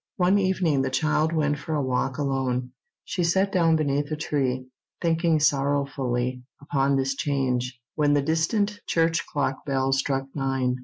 One evening the child went for a walk alone. She sat down beneath a tree, thinking sorrowfully upon this change, when the distant church clock bell struck nine.